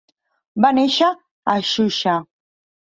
Va néixer a Shusha.